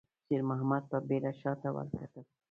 شېرمحمد په بيړه شاته وکتل.